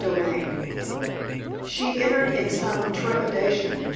XXVIII She entered in some trepidation.